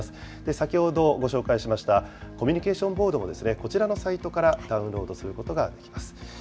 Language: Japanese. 先ほどご紹介しましたコミュニケーションボードもこちらのサイトからダウンロードすることができます。